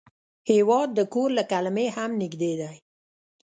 هېواد د کور له کلمې هم نږدې دی.